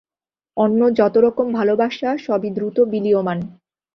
অন্য যত রকম ভালবাসা, সবই দ্রুত বিলীয়মান।